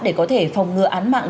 để có thể phòng ngừa án mạng